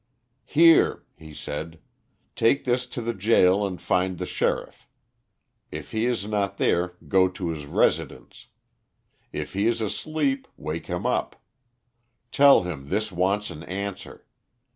"Here," he said, "take this to the gaol and find the sheriff. If he is not there, go to his residence. If he is asleep, wake him up. Tell him this wants an answer.